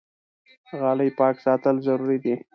غالۍ پاک ساتل ضروري دي.